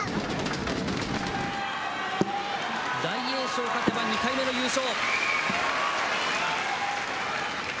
大栄翔、勝てば２回目の優勝。